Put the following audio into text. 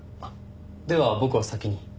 では僕は先に。